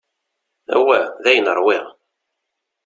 Awah, dayen ṛwiɣ.